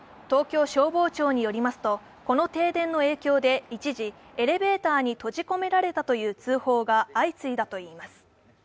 東京消防庁によりますと、この停電の影響で一時、エレベーターに閉じ込められたという通報が相次いだといいます。